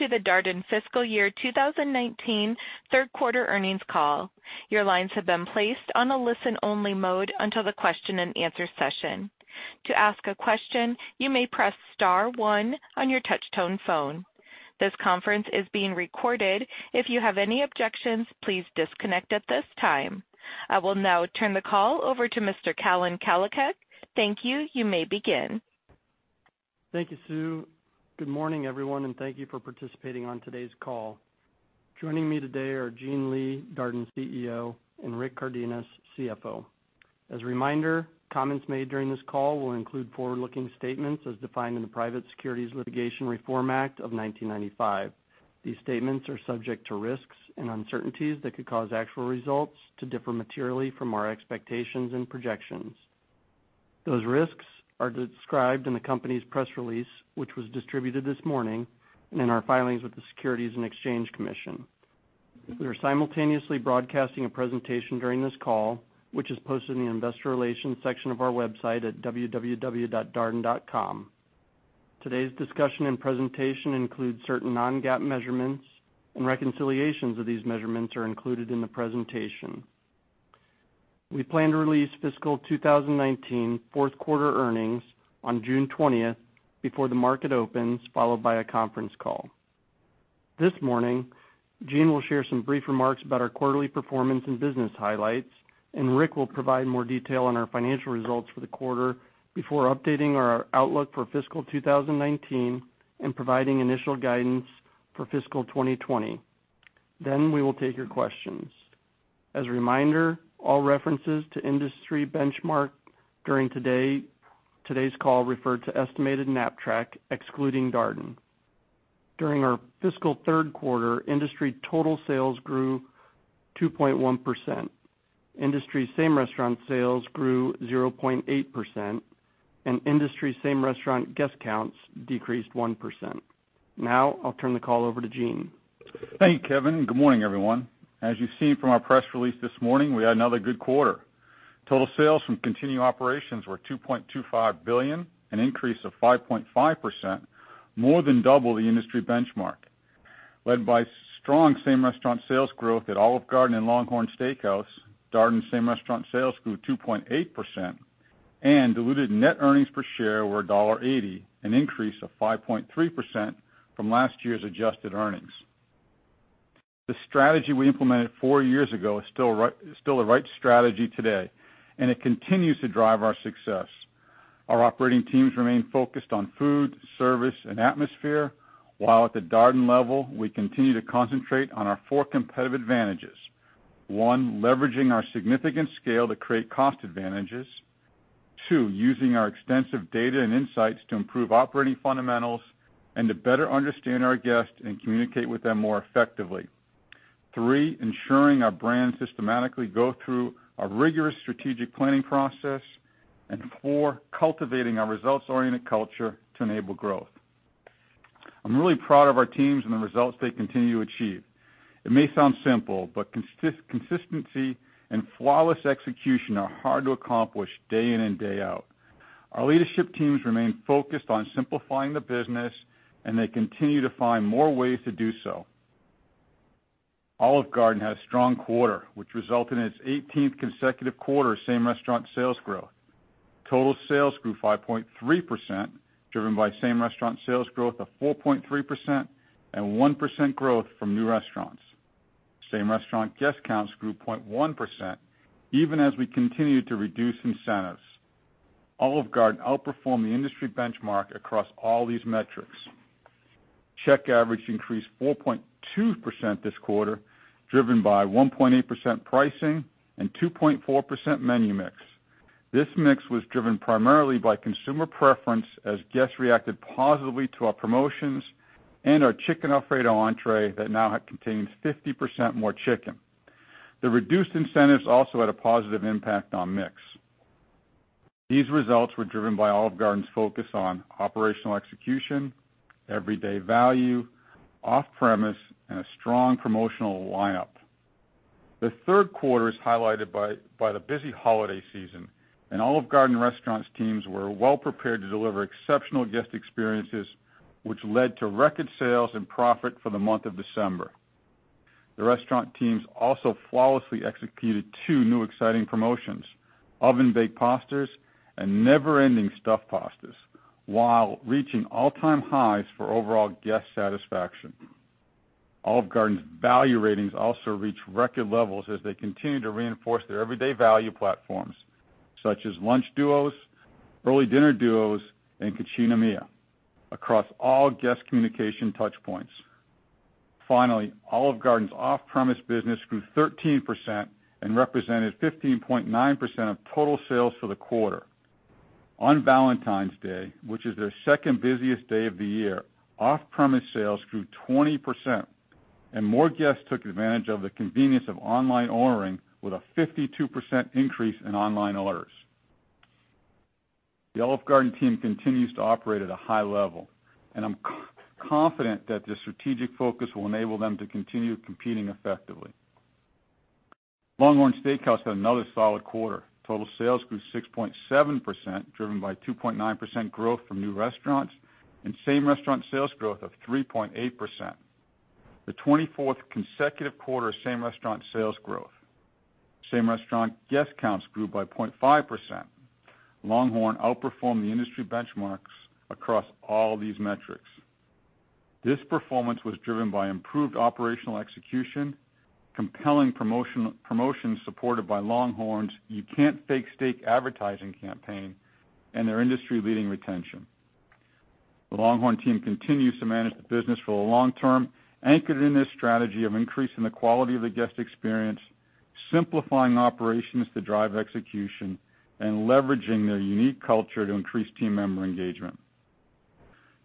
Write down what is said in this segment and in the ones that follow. Welcome to the Darden Fiscal Year 2019 third quarter earnings call. Your lines have been placed on a listen-only mode until the question and answer session. To ask a question, you may press star one on your touch-tone phone. This conference is being recorded. If you have any objections, please disconnect at this time. I will now turn the call over to Mr. Kevin Kalicak. Thank you. You may begin. Thank you, Sue. Good morning, everyone, and thank you for participating on today's call. Joining me today are Gene Lee, Darden's CEO, and Rick Cardenas, CFO. As a reminder, comments made during this call will include forward-looking statements as defined in the Private Securities Litigation Reform Act of 1995. These statements are subject to risks and uncertainties that could cause actual results to differ materially from our expectations and projections. Those risks are described in the company's press release, which was distributed this morning, and in our filings with the Securities and Exchange Commission. We are simultaneously broadcasting a presentation during this call, which is posted in the investor relations section of our website at www.darden.com. Today's discussion and presentation includes certain non-GAAP measurements, and reconciliations of these measurements are included in the presentation. We plan to release fiscal 2019 fourth quarter earnings on June 20th before the market opens, followed by a conference call. This morning, Gene will share some brief remarks about our quarterly performance and business highlights, and Rick will provide more detail on our financial results for the quarter before updating our outlook for fiscal 2019 and providing initial guidance for fiscal 2020. We will take your questions. As a reminder, all references to industry benchmark during today's call refer to estimated Knapp-TRACK, excluding Darden. During our fiscal third quarter, industry total sales grew 2.1%, industry same-restaurant sales grew 0.8%, and industry same-restaurant guest counts decreased 1%. Now, I'll turn the call over to Gene. Thank you, Kevin, and good morning, everyone. As you've seen from our press release this morning, we had another good quarter. Total sales from continuing operations were $2.25 billion, an increase of 5.5%, more than double the industry benchmark. Led by strong same-restaurant sales growth at Olive Garden and LongHorn Steakhouse, Darden same-restaurant sales grew 2.8%, and diluted net earnings per share were $1.80, an increase of 5.3% from last year's adjusted earnings. The strategy we implemented four years ago is still the right strategy today, and it continues to drive our success. Our operating teams remain focused on food, service, and atmosphere, while at the Darden level, we continue to concentrate on our four competitive advantages. One, leveraging our significant scale to create cost advantages. Two, using our extensive data and insights to improve operating fundamentals and to better understand our guests and communicate with them more effectively. Three, ensuring our brands systematically go through a rigorous strategic planning process. Four, cultivating our results-oriented culture to enable growth. I'm really proud of our teams and the results they continue to achieve. It may sound simple, but consistency and flawless execution are hard to accomplish day in and day out. Our leadership teams remain focused on simplifying the business, and they continue to find more ways to do so. Olive Garden had a strong quarter, which resulted in its 18th consecutive quarter of same-restaurant sales growth. Total sales grew 5.3%, driven by same-restaurant sales growth of 4.3% and 1% growth from new restaurants. Same-restaurant guest counts grew 0.1%, even as we continued to reduce incentives. Olive Garden outperformed the industry benchmark across all these metrics. Check average increased 4.2% this quarter, driven by 1.8% pricing and 2.4% menu mix. This mix was driven primarily by consumer preference as guests reacted positively to our promotions and our Chicken Alfredo entrée that now contains 50% more chicken. The reduced incentives also had a positive impact on mix. These results were driven by Olive Garden's focus on operational execution, everyday value, off-premise, and a strong promotional lineup. The third quarter is highlighted by the busy holiday season, and Olive Garden restaurants' teams were well prepared to deliver exceptional guest experiences, which led to record sales and profit for the month of December. The restaurant teams also flawlessly executed two new exciting promotions, Oven-Baked Pastas and Never Ending Stuffed Pastas, while reaching all-time highs for overall guest satisfaction. Olive Garden's value ratings also reached record levels as they continue to reinforce their everyday value platforms, such as lunch duos, early dinner duos, and Cucina Mia, across all guest communication touchpoints. Finally, Olive Garden's off-premise business grew 13% and represented 15.9% of total sales for the quarter. On Valentine's Day, which is their second busiest day of the year, off-premise sales grew 20%, and more guests took advantage of the convenience of online ordering with a 52% increase in online orders. The Olive Garden team continues to operate at a high level, and I'm confident that the strategic focus will enable them to continue competing effectively. LongHorn Steakhouse had another solid quarter. Total sales grew 6.7%, driven by 2.9% growth from new restaurants and same-restaurant sales growth of 3.8%. The 24th consecutive quarter of same-restaurant sales growth. Same-restaurant guest counts grew by 0.5%. LongHorn outperformed the industry benchmarks across all these metrics. This performance was driven by improved operational execution, compelling promotions supported by LongHorn's You Can't Fake Steak advertising campaign, and their industry-leading retention. The LongHorn team continues to manage the business for the long term, anchored in this strategy of increasing the quality of the guest experience, simplifying operations to drive execution, and leveraging their unique culture to increase team member engagement.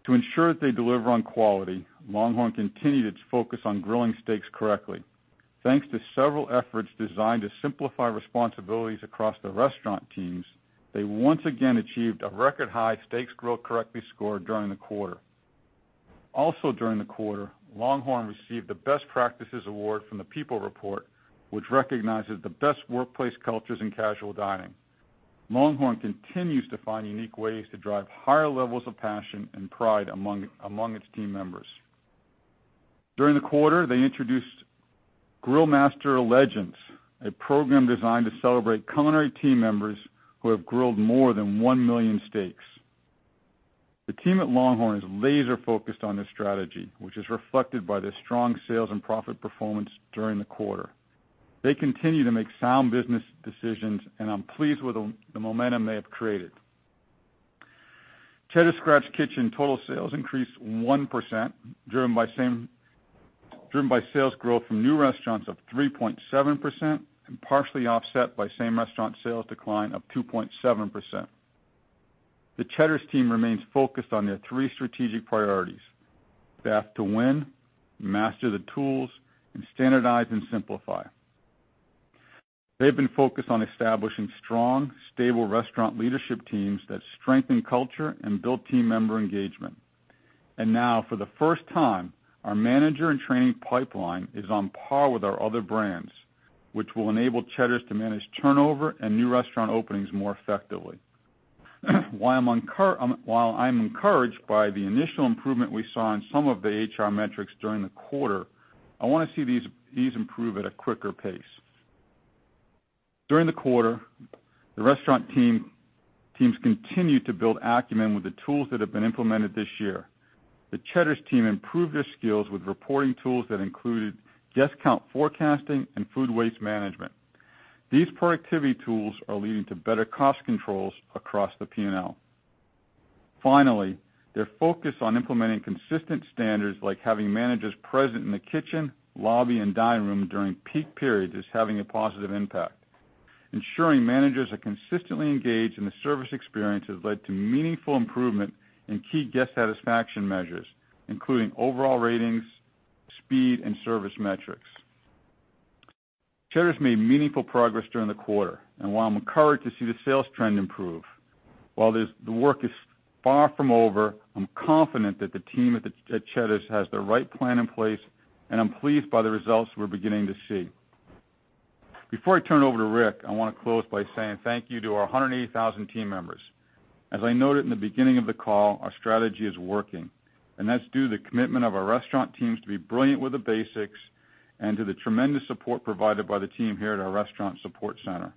To ensure that they deliver on quality, LongHorn continued its focus on grilling steaks correctly. Thanks to several efforts designed to simplify responsibilities across the restaurant teams, they once again achieved a record-high steaks grilled correctly score during the quarter. Also during the quarter, LongHorn received the Best Practices Award from People Report, which recognizes the best workplace cultures in casual dining. LongHorn continues to find unique ways to drive higher levels of passion and pride among its team members. During the quarter, they introduced Grill Master Legends, a program designed to celebrate culinary team members who have grilled more than 1 million steaks. The team at LongHorn is laser-focused on this strategy, which is reflected by their strong sales and profit performance during the quarter. They continue to make sound business decisions, and I'm pleased with the momentum they have created. Cheddar's Scratch Kitchen total sales increased 1%, driven by sales growth from new restaurants of 3.7% and partially offset by same-restaurant sales decline of 2.7%. The Cheddar's team remains focused on their three strategic priorities: Staff to Win, master the tools, and standardize and simplify. They've been focused on establishing strong, stable restaurant leadership teams that strengthen culture and build team member engagement. Now, for the first time, our manager and training pipeline is on par with our other brands, which will enable Cheddar's to manage turnover and new restaurant openings more effectively. While I'm encouraged by the initial improvement we saw in some of the HR metrics during the quarter, I want to see these improve at a quicker pace. During the quarter, the restaurant teams continued to build acumen with the tools that have been implemented this year. The Cheddar's team improved their skills with reporting tools that included guest count forecasting and food waste management. These productivity tools are leading to better cost controls across the P&L. Finally, their focus on implementing consistent standards like having managers present in the kitchen, lobby, and dining room during peak periods is having a positive impact. Ensuring managers are consistently engaged in the service experience has led to meaningful improvement in key guest satisfaction measures, including overall ratings, speed, and service metrics. Cheddar's made meaningful progress during the quarter, and while I'm encouraged to see the sales trend improve, while the work is far from over, I'm confident that the team at Cheddar's has the right plan in place, and I'm pleased by the results we're beginning to see. Before I turn it over to Rick, I want to close by saying thank you to our 180,000 team members. As I noted in the beginning of the call, our strategy is working, and that's due to the commitment of our restaurant teams to be brilliant with the basics and to the tremendous support provided by the team here at our restaurant support center.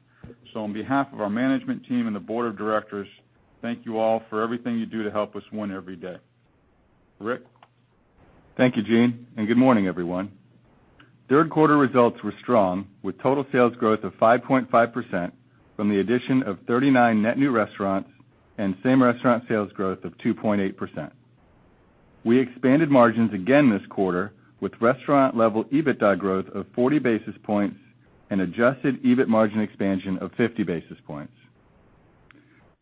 On behalf of our management team and the board of directors, thank you all for everything you do to help us win every day. Rick? Thank you, Gene, and good morning, everyone. Third quarter results were strong, with total sales growth of 5.5% from the addition of 39 net new restaurants and same-restaurant sales growth of 2.8%. We expanded margins again this quarter with restaurant-level EBITDA growth of 40 basis points and adjusted EBIT margin expansion of 50 basis points.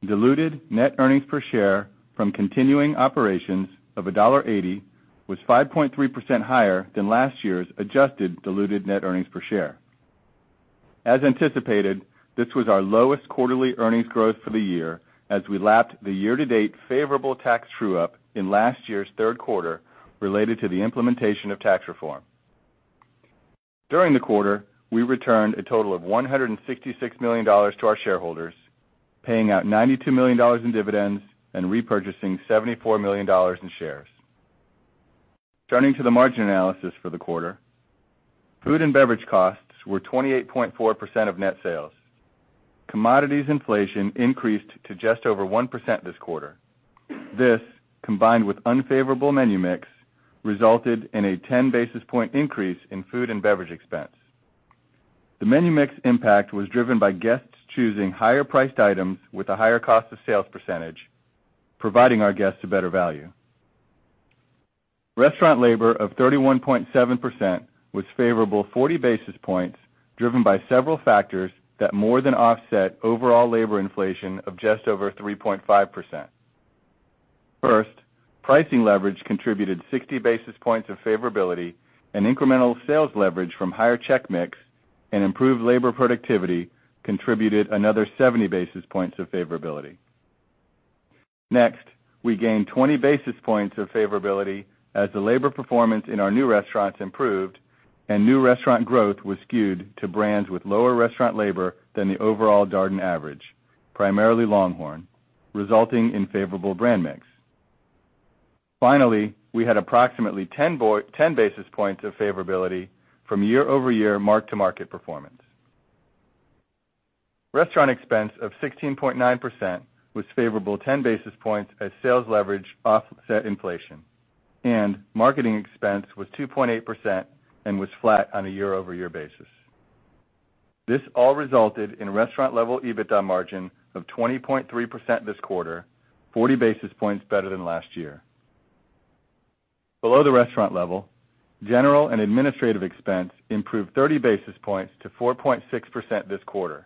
Diluted net earnings per share from continuing operations of $1.80 was 5.3% higher than last year's adjusted diluted net earnings per share. As anticipated, this was our lowest quarterly earnings growth for the year as we lapped the year-to-date favorable tax true-up in last year's third quarter related to the implementation of tax reform. During the quarter, we returned a total of $166 million to our shareholders, paying out $92 million in dividends and repurchasing $74 million in shares. Turning to the margin analysis for the quarter. Food and beverage costs were 28.4% of net sales. Commodities inflation increased to just over 1% this quarter. This, combined with unfavorable menu mix, resulted in a 10 basis point increase in food and beverage expense. The menu mix impact was driven by guests choosing higher priced items with a higher cost of sales percentage, providing our guests a better value. Restaurant labor of 31.7% was favorable 40 basis points, driven by several factors that more than offset overall labor inflation of just over 3.5%. Pricing leverage contributed 60 basis points of favorability and incremental sales leverage from higher check mix and improved labor productivity contributed another 70 basis points of favorability. We gained 20 basis points of favorability as the labor performance in our new restaurants improved and new restaurant growth was skewed to brands with lower restaurant labor than the overall Darden average, primarily LongHorn, resulting in favorable brand mix. We had approximately 10 basis points of favorability from year-over-year mark-to-market performance. Restaurant expense of 16.9% was favorable 10 basis points as sales leverage offset inflation, and marketing expense was 2.8% and was flat on a year-over-year basis. This all resulted in restaurant level EBITDA margin of 20.3% this quarter, 40 basis points better than last year. Below the restaurant level, general and administrative expense improved 30 basis points to 4.6% this quarter.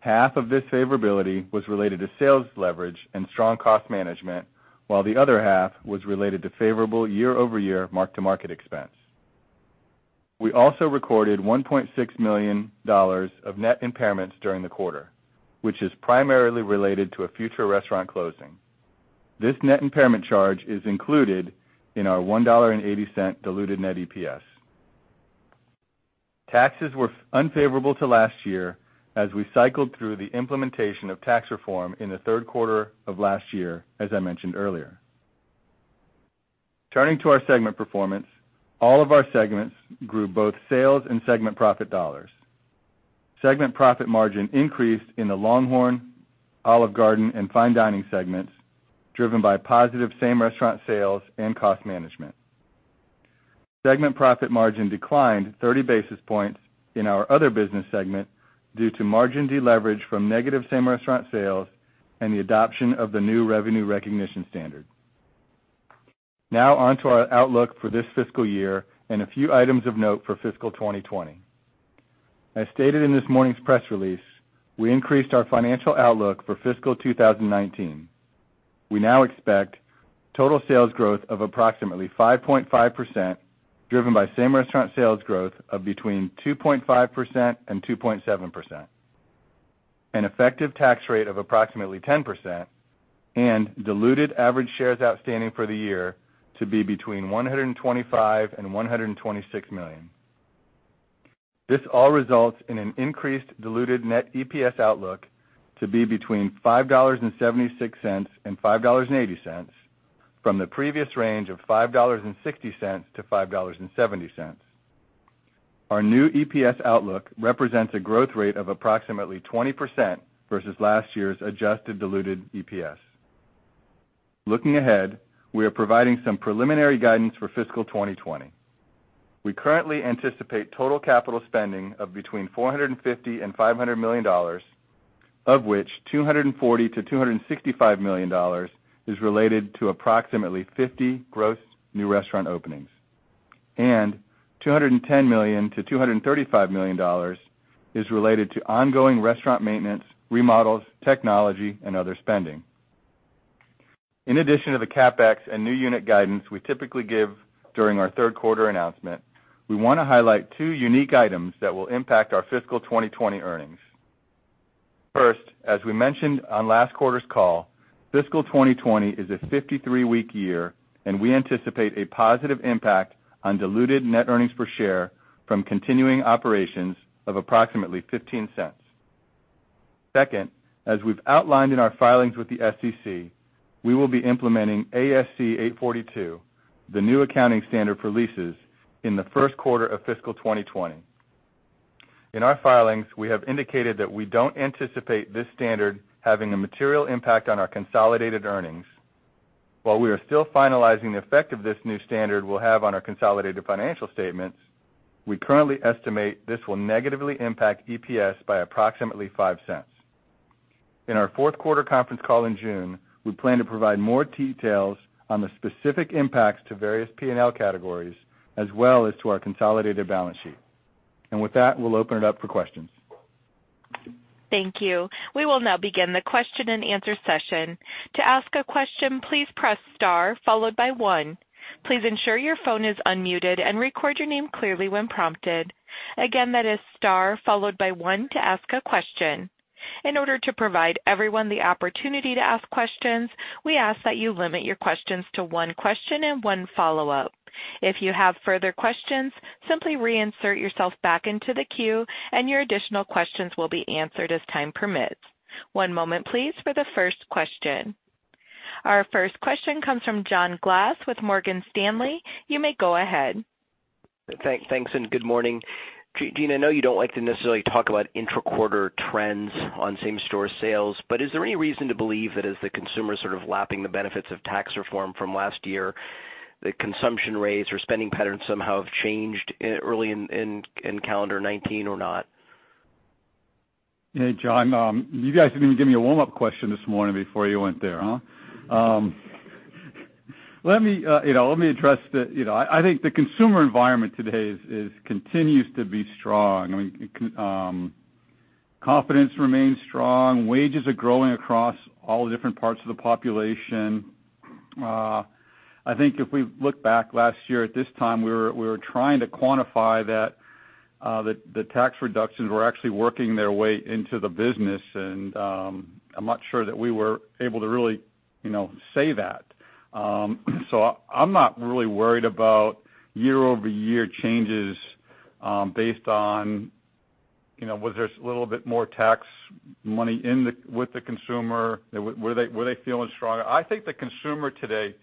Half of this favorability was related to sales leverage and strong cost management, while the other half was related to favorable year-over-year mark-to-market expense. We also recorded $1.6 million of net impairments during the quarter, which is primarily related to a future restaurant closing. This net impairment charge is included in our $1.80 diluted net EPS. Taxes were unfavorable to last year as we cycled through the implementation of tax reform in the third quarter of last year, as I mentioned earlier. Turning to our segment performance. All of our segments grew both sales and segment profit dollars. Segment profit margin increased in the LongHorn, Olive Garden, and Fine Dining segments, driven by positive same-restaurant sales and cost management. Segment profit margin declined 30 basis points in our other business segment due to margin deleverage from negative same-restaurant sales and the adoption of the new revenue recognition standard. On to our outlook for this fiscal year and a few items of note for fiscal 2020. As stated in this morning's press release, we increased our financial outlook for fiscal 2019. We now expect total sales growth of approximately 5.5%, driven by same-restaurant sales growth of between 2.5% and 2.7%, an effective tax rate of approximately 10%, and diluted average shares outstanding for the year to be between 125 million and 126 million. This all results in an increased diluted net EPS outlook to be between $5.76 and $5.80 from the previous range of $5.60 to $5.70. Our new EPS outlook represents a growth rate of approximately 20% versus last year's adjusted diluted EPS. Looking ahead, we are providing some preliminary guidance for fiscal 2020. We currently anticipate total capital spending of between $450 million and $500 million, of which $240 million-$265 million is related to approximately 50 gross new restaurant openings, and $210 million-$235 million is related to ongoing restaurant maintenance, remodels, technology, and other spending. In addition to the CapEx and new unit guidance we typically give during our third quarter announcement, we want to highlight two unique items that will impact our fiscal 2020 earnings. First, as we mentioned on last quarter's call, fiscal 2020 is a 53-week year, and we anticipate a positive impact on diluted net earnings per share from continuing operations of approximately $0.15. Second, as we've outlined in our filings with the SEC, we will be implementing ASC 842, the new accounting standard for leases, in the first quarter of fiscal 2020. In our filings, we have indicated that we don't anticipate this standard having a material impact on our consolidated earnings. While we are still finalizing the effect of this new standard will have on our consolidated financial statements, we currently estimate this will negatively impact EPS by approximately $0.05. In our fourth quarter conference call in June, we plan to provide more details on the specific impacts to various P&L categories, as well as to our consolidated balance sheet. With that, we'll open it up for questions. Thank you. We will now begin the question and answer session. To ask a question, please press star followed by one. Please ensure your phone is unmuted and record your name clearly when prompted. Again, that is star followed by one to ask a question. In order to provide everyone the opportunity to ask questions, we ask that you limit your questions to one question and one follow-up. If you have further questions, simply reinsert yourself back into the queue and your additional questions will be answered as time permits. One moment please for the first question. Our first question comes from John Glass with Morgan Stanley. You may go ahead. Thanks. Good morning. Gene, I know you don't like to necessarily talk about intra-quarter trends on same-store sales, but is there any reason to believe that as the consumer's sort of lapping the benefits of tax reform from last year, the consumption rates or spending patterns somehow have changed early in calendar 2019 or not? Hey, John. You guys didn't even give me a warm-up question this morning before you went there, huh? Let me address. I think the consumer environment today continues to be strong. Confidence remains strong. Wages are growing across all the different parts of the population. If we look back last year at this time, we were trying to quantify that the tax reductions were actually working their way into the business. I'm not sure that we were able to really say that. I'm not really worried about year-over-year changes based on, was there a little bit more tax money with the consumer? Were they feeling stronger? I think the consumer today,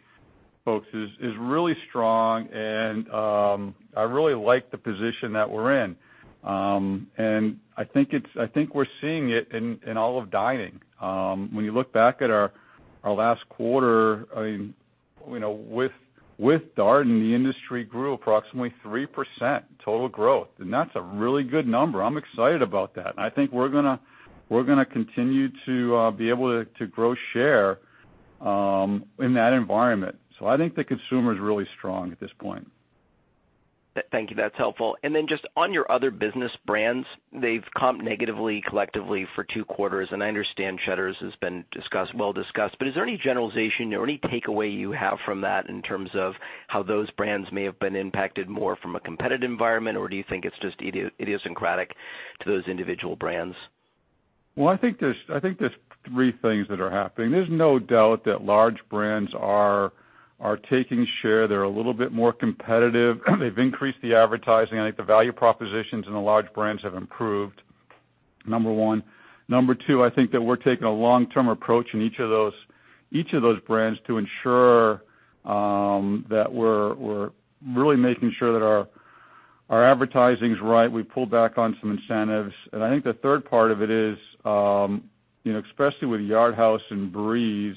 folks, is really strong. I really like the position that we're in. I think we're seeing it in all of dining. When you look back at our last quarter, with Darden, the industry grew approximately 3% total growth. That's a really good number. I'm excited about that. I think we're going to continue to be able to grow share in that environment. I think the consumer is really strong at this point. Thank you. That's helpful. Just on your other business brands, they've comped negatively collectively for two quarters. I understand Cheddar's has been well discussed. Is there any generalization or any takeaway you have from that in terms of how those brands may have been impacted more from a competitive environment, or do you think it's just idiosyncratic to those individual brands? Well, I think there's three things that are happening. There's no doubt that large brands are taking share. They're a little bit more competitive. They've increased the advertising. I think the value propositions in the large brands have improved, number one. Number two, I think that we're taking a long-term approach in each of those brands to ensure that we're really making sure that our advertising's right. We pulled back on some incentives. I think the third part of it is, especially with Yard House and Breeze,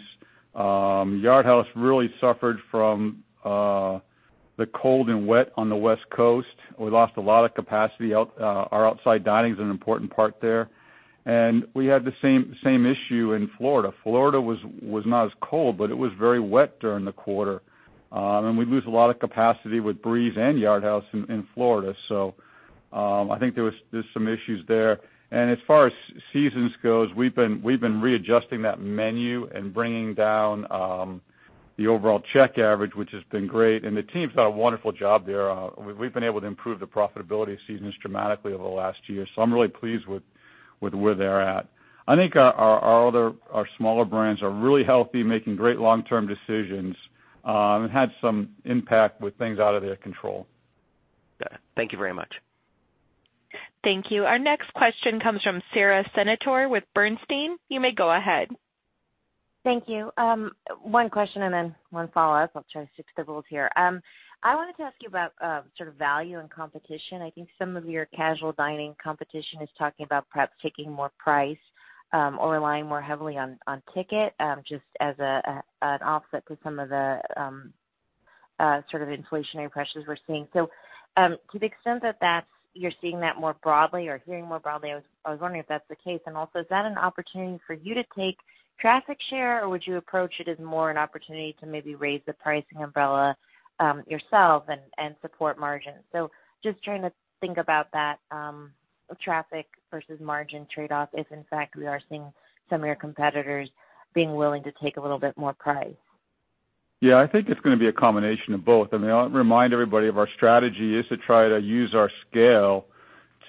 Yard House really suffered from the cold and wet on the West Coast. We lost a lot of capacity. Our outside dining is an important part there. We had the same issue in Florida. Florida was not as cold. It was very wet during the quarter. We lose a lot of capacity with Breeze and Yard House in Florida. I think there's some issues there. As far as Seasons goes, we've been readjusting that menu and bringing down the overall check average, which has been great. The team's done a wonderful job there. We've been able to improve the profitability of Seasons dramatically over the last year. I'm really pleased with where they're at. I think our smaller brands are really healthy, making great long-term decisions, and had some impact with things out of their control. Got it. Thank you very much. Thank you. Our next question comes from Sara Senatore with Bernstein. You may go ahead. Thank you. One question and one follow-up. I'll try to stick to those here. I wanted to ask you about value and competition. I think some of your casual dining competition is talking about perhaps taking more price or relying more heavily on ticket, just as an offset to some of the inflationary pressures we're seeing. To the extent that you're seeing that more broadly or hearing more broadly, I was wondering if that's the case. Also, is that an opportunity for you to take traffic share, or would you approach it as more an opportunity to maybe raise the pricing umbrella yourself and support margin? Just trying to think about that traffic versus margin trade-off, if in fact we are seeing some of your competitors being willing to take a little bit more price. I think it's going to be a combination of both. I mean, I'll remind everybody of our strategy is to try to use our scale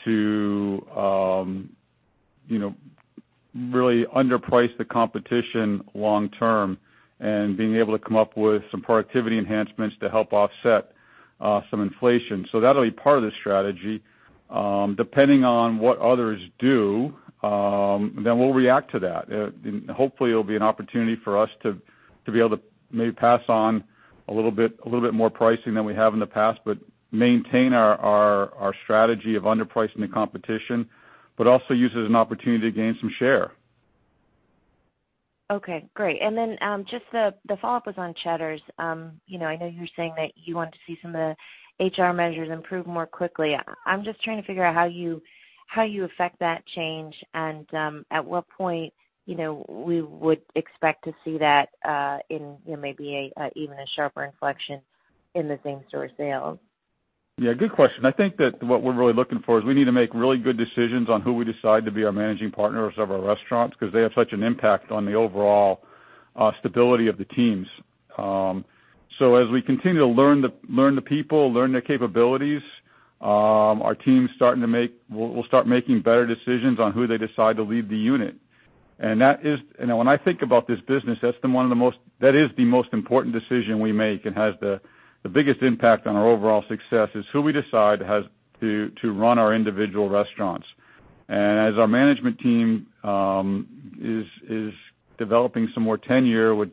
to really underprice the competition long term and being able to come up with some productivity enhancements to help offset some inflation. That'll be part of the strategy. Depending on what others do, we'll react to that. Hopefully it'll be an opportunity for us to be able to maybe pass on a little bit more pricing than we have in the past, but maintain our strategy of underpricing the competition, but also use it as an opportunity to gain some share. Okay, great. Just the follow-up was on Cheddar's. I know you were saying that you want to see some of the HR measures improve more quickly. I'm just trying to figure out how you affect that change and at what point we would expect to see that in maybe even a sharper inflection in the same store sales. Good question. I think that what we're really looking for is we need to make really good decisions on who we decide to be our managing partners of our restaurants because they have such an impact on the overall stability of the teams. As we continue to learn the people, learn their capabilities, our team will start making better decisions on who they decide to lead the unit. When I think about this business, that is the most important decision we make. It has the biggest impact on our overall success is who we decide to run our individual restaurants. As our management team is developing some more tenure with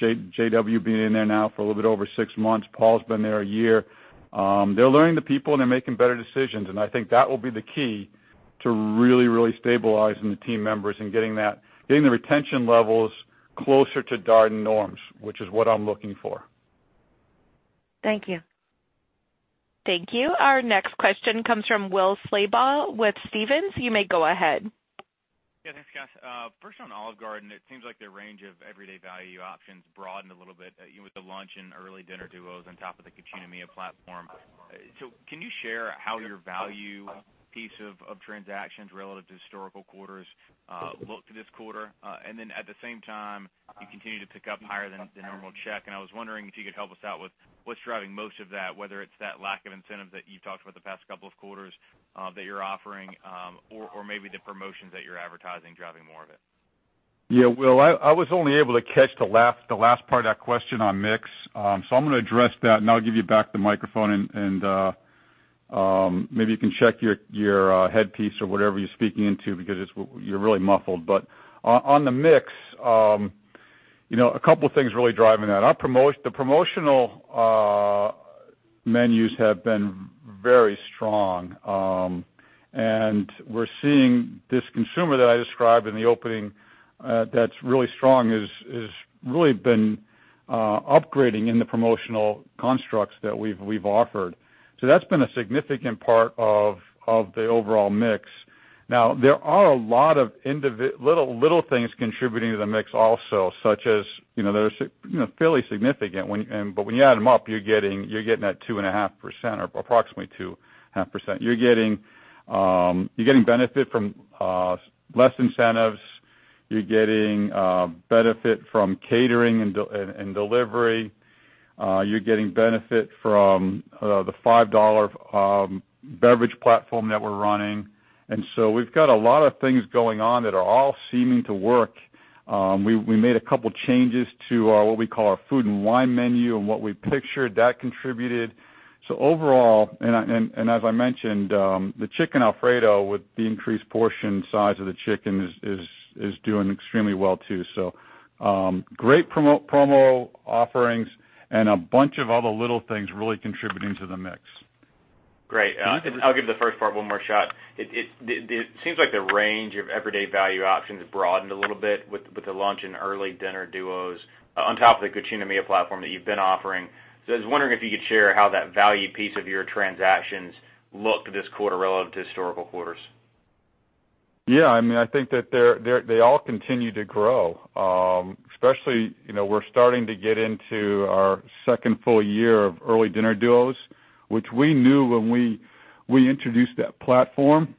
JW being in there now for a little bit over six months, Paul's been there a year. They're learning the people, and they're making better decisions. I think that will be the key to really stabilizing the team members and getting the retention levels closer to Darden norms, which is what I'm looking for. Thank you. Thank you. Our next question comes from Will Slabaugh with Stephens. You may go ahead. Thanks, Scott. First, on Olive Garden, it seems like their range of everyday value options broadened a little bit with the lunch and early dinner duos on top of the Cucina Mia platform. Can you share how your value piece of transactions relative to historical quarters look this quarter? At the same time, you continue to pick up higher than the normal check, and I was wondering if you could help us out with what's driving most of that, whether it's that lack of incentive that you've talked about the past couple of quarters that you're offering, or maybe the promotions that you're advertising driving more of it. Yeah. Well, I was only able to catch the last part of that question on mix. I'm going to address that, and I'll give you back the microphone and maybe you can check your headpiece or whatever you're speaking into because you're really muffled. On the mix, a couple things really driving that. The promotional menus have been very strong. We're seeing this consumer that I described in the opening that's really strong, has really been upgrading in the promotional constructs that we've offered. That's been a significant part of the overall mix. Now, there are a lot of little things contributing to the mix also, such as, they're fairly significant, but when you add them up, you're getting that 2.5% or approximately 2.5%. You're getting benefit from less incentives. You're getting benefit from catering and delivery. You're getting benefit from the $5 beverage platform that we're running. We've got a lot of things going on that are all seeming to work. We made a couple changes to what we call our food and wine menu and what we pictured. That contributed. Overall, and as I mentioned, the Chicken Alfredo with the increased portion size of the chicken, is doing extremely well, too. Great promo offerings and a bunch of other little things really contributing to the mix. Great. I'll give the first part one more shot. It seems like the range of everyday value options broadened a little bit with the lunch and early dinner duos on top of the Cucina Mia platform that you've been offering. I was wondering if you could share how that value piece of your transactions look this quarter relative to historical quarters. Yeah, I think that they all continue to grow. Especially, we're starting to get into our second full year of early dinner duos, which we knew when we introduced that platform,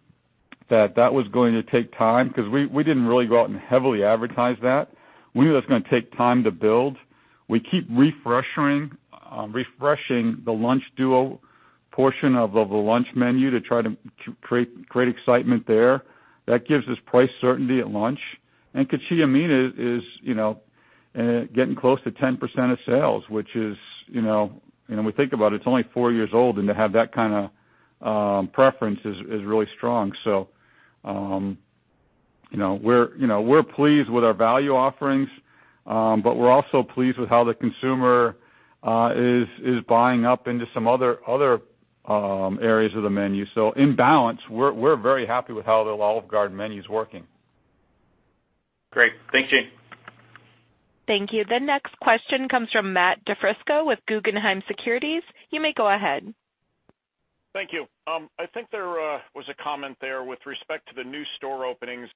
that that was going to take time because we didn't really go out and heavily advertise that. We knew that was going to take time to build. We keep refreshing the lunch duo portion of the lunch menu to try to create excitement there. That gives us price certainty at lunch. Cucina Mia is getting close to 10% of sales, which is, when we think about it's only four years old, and to have that kind of preference is really strong. We're pleased with our value offerings, but we're also pleased with how the consumer is buying up into some other areas of the menu. In balance, we're very happy with how the Olive Garden menu is working. Great. Thank you. Thank you. The next question comes from Matt DiFrisco with Guggenheim Securities. You may go ahead. Thank you. I think there was a comment there with respect to the new store openings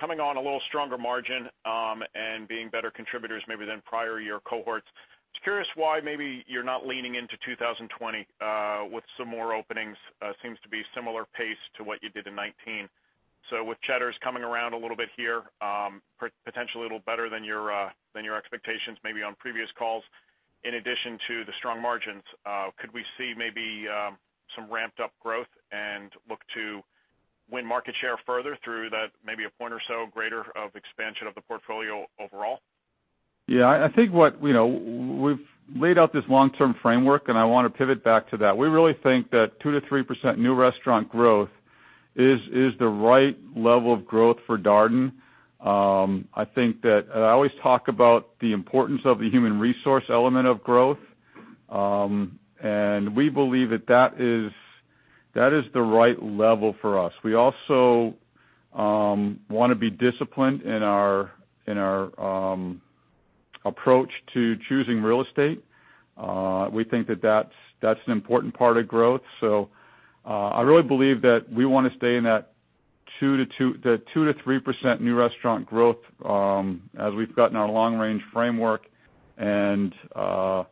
coming on a little stronger margin and being better contributors maybe than prior year cohorts. Just curious why maybe you're not leaning into 2020 with some more openings. Seems to be similar pace to what you did in 2019. With Cheddar's coming around a little bit here, potentially a little better than your expectations maybe on previous calls, in addition to the strong margins, could we see maybe some ramped up growth and look to win market share further through that maybe a point or so greater of expansion of the portfolio overall? I think we've laid out this long-term framework. I want to pivot back to that. We really think that 2%-3% new restaurant growth is the right level of growth for Darden. I always talk about the importance of the human resource element of growth. We believe that that is the right level for us. We also want to be disciplined in our approach to choosing real estate. We think that that's an important part of growth. I really believe that we want to stay in that 2%-3% new restaurant growth as we've got in our long-range framework. We're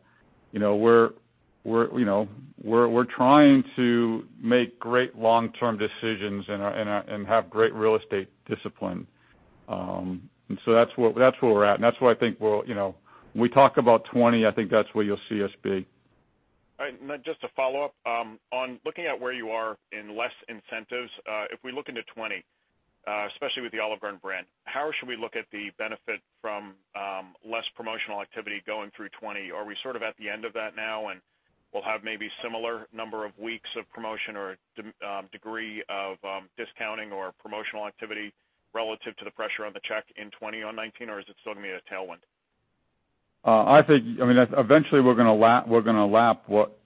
trying to make great long-term decisions and have great real estate discipline. That's where we're at. That's why I think when we talk about 2020, I think that's where you'll see us be. All right. Just a follow-up. On looking at where you are in less incentives, if we look into 2020, especially with the Olive Garden brand, how should we look at the benefit from less promotional activity going through 2020? Are we sort of at the end of that now, and we'll have maybe similar number of weeks of promotion or degree of discounting or promotional activity relative to the pressure on the check in 2020 or 2019, or is it still going to be a tailwind? Eventually we're going to lap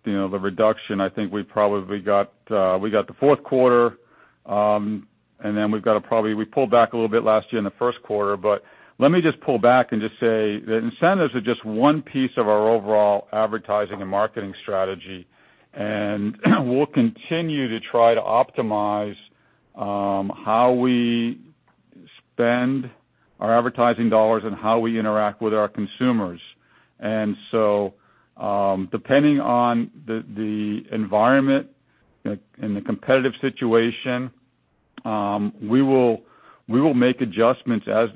the reduction. I think we probably got the fourth quarter. We pulled back a little bit last year in the first quarter. Let me just pull back and just say that incentives are just one piece of our overall advertising and marketing strategy, and we'll continue to try to optimize how we spend our advertising dollars and how we interact with our consumers. Depending on the environment and the competitive situation, we will make adjustments as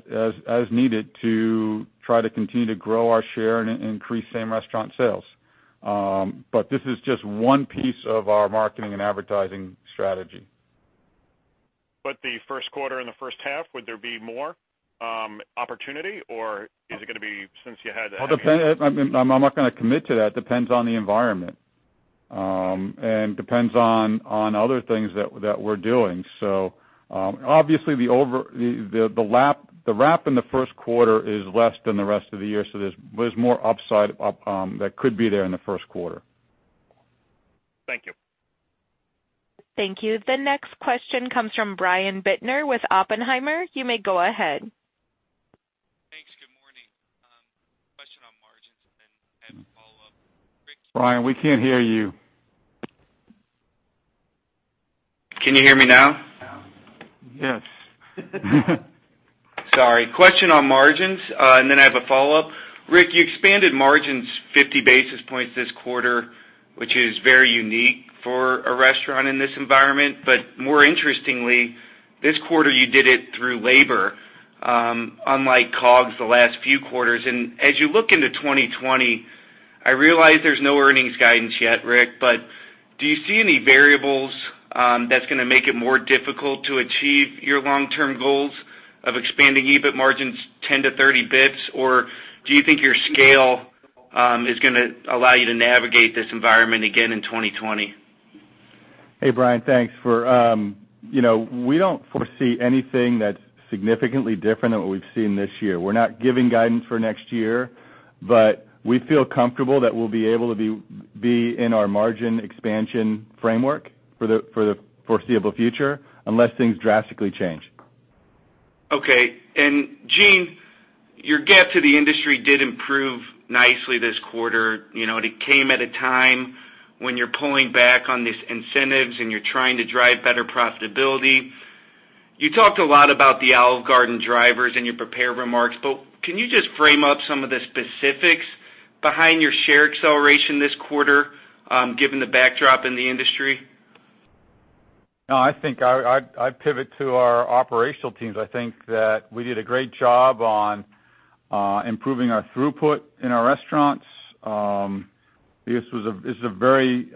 needed to try to continue to grow our share and increase same-restaurant sales. This is just one piece of our marketing and advertising strategy. The first quarter and the first half, would there be more opportunity, or is it going to be since you had- I'm not going to commit to that. It depends on the environment, and depends on other things that we're doing. Obviously the wrap in the first quarter is less than the rest of the year, so there's more upside that could be there in the first quarter. Thank you. Thank you. The next question comes from Brian Bittner with Oppenheimer. You may go ahead. Thanks. Good morning. Question on margins, then I have a follow-up. Rick- Brian, we can't hear you. Can you hear me now? Yes. Sorry. Question on margins. Then I have a follow-up. Rick, you expanded margins 50 basis points this quarter, which is very unique for a restaurant in this environment. More interestingly, this quarter you did it through labor, unlike COGS the last few quarters. As you look into 2020, I realize there's no earnings guidance yet, Rick, but do you see any variables that's going to make it more difficult to achieve your long-term goals of expanding EBIT margins 10 to 30 basis points? Do you think your scale is going to allow you to navigate this environment again in 2020? Hey, Brian, thanks. We don't foresee anything that's significantly different than what we've seen this year. We're not giving guidance for next year, but we feel comfortable that we'll be able to be in our margin expansion framework for the foreseeable future, unless things drastically change. Okay. Gene, your get to the industry did improve nicely this quarter. It came at a time when you're pulling back on these incentives, and you're trying to drive better profitability. You talked a lot about the Olive Garden drivers in your prepared remarks, but can you just frame up some of the specifics behind your share acceleration this quarter, given the backdrop in the industry? No, I pivot to our operational teams. I think that we did a great job on improving our throughput in our restaurants. This is a very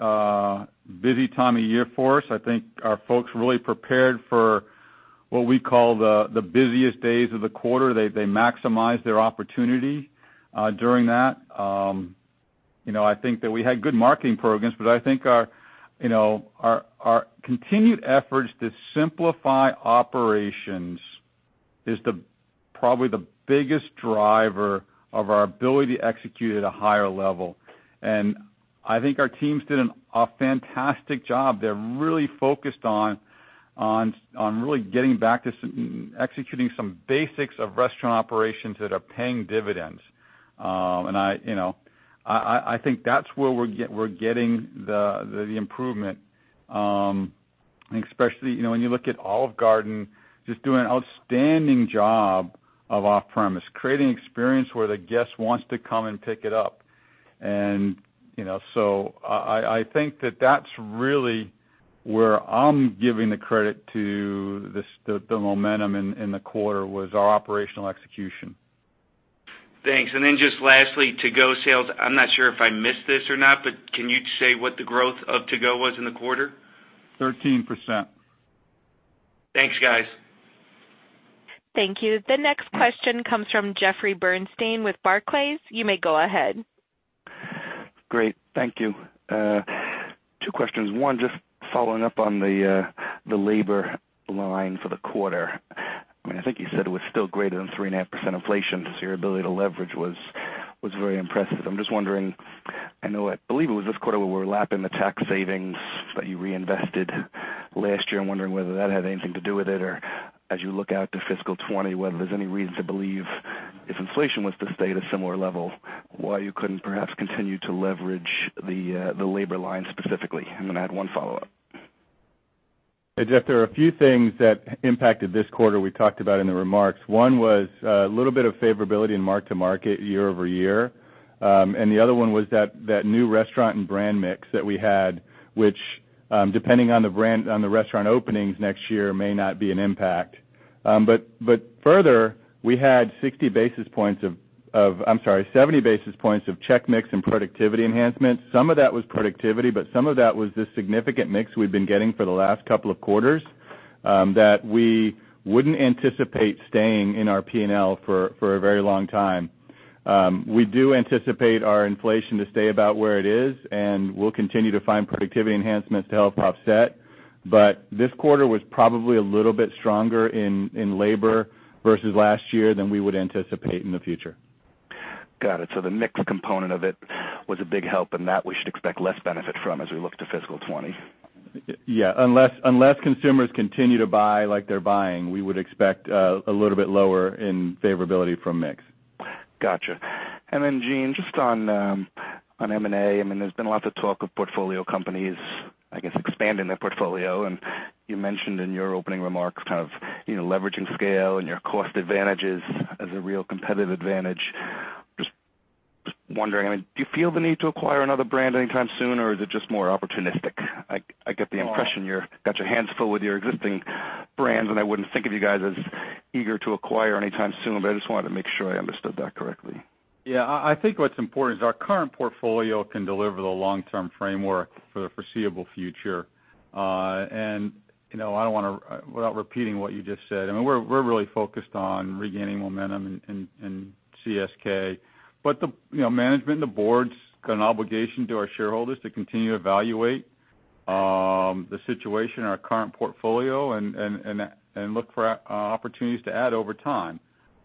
busy time of year for us. I think our folks really prepared for what we call the busiest days of the quarter. They maximize their opportunity during that. I think that we had good marketing programs, but I think our continued efforts to simplify operations is probably the biggest driver of our ability to execute at a higher level. I think our teams did a fantastic job. They're really focused on really getting back to executing some basics of restaurant operations that are paying dividends. I think that's where we're getting the improvement. Especially when you look at Olive Garden, just doing an outstanding job of off-premise. Creating experience where the guest wants to come and pick it up. I think that that's really where I'm giving the credit to the momentum in the quarter, was our operational execution. Thanks. Just lastly, to-go sales. I'm not sure if I missed this or not, but can you say what the growth of to-go was in the quarter? 13%. Thanks, guys. Thank you. The next question comes from Jeffrey Bernstein with Barclays. You may go ahead. Great. Thank you. Two questions. One, just following up on the labor line for the quarter. I think you said it was still greater than 3.5% inflation, so your ability to leverage was very impressive. I'm just wondering, I believe it was this quarter where we're lapping the tax savings that you reinvested last year. I'm wondering whether that had anything to do with it, or as you look out to fiscal 2020, whether there's any reason to believe if inflation was to stay at a similar level, why you couldn't perhaps continue to leverage the labor line specifically. I'm going to add one follow-up. Hey, Jeff. There are a few things that impacted this quarter we talked about in the remarks. One was a little bit of favorability in mark to market year-over-year. The other one was that new restaurant and brand mix that we had, which, depending on the restaurant openings next year, may not be an impact. Further, we had 70 basis points of check mix and productivity enhancements. Some of that was productivity, but some of that was the significant mix we've been getting for the last couple of quarters that we wouldn't anticipate staying in our P&L for a very long time. We do anticipate our inflation to stay about where it is, and we'll continue to find productivity enhancements to help offset. This quarter was probably a little bit stronger in labor versus last year than we would anticipate in the future. Got it. The mix component of it was a big help, and that we should expect less benefit from as we look to fiscal 2020. Yeah. Unless consumers continue to buy like they're buying, we would expect a little bit lower in favorability from mix. Gotcha. Then Gene, just on M&A, there's been lots of talk of portfolio companies, I guess, expanding their portfolio. You mentioned in your opening remarks kind of leveraging scale and your cost advantages as a real competitive advantage. Just wondering, do you feel the need to acquire another brand anytime soon, or is it just more opportunistic? I get the impression you got your hands full with your existing brands, and I wouldn't think of you guys as eager to acquire anytime soon, but I just wanted to make sure I understood that correctly. Yeah. I think what's important is our current portfolio can deliver the long-term framework for the foreseeable future. Without repeating what you just said, we're really focused on regaining momentum in CSK. The management and the board's got an obligation to our shareholders to continue to evaluate the situation in our current portfolio and look for opportunities to add over time.